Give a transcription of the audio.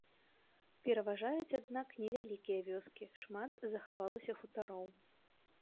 Пераважаюць, аднак, невялікія вёскі, шмат захавалася хутароў.